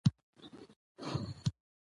چې د هرات قول اردو کې